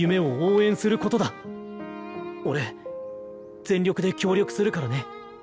俺全力で協力するからね。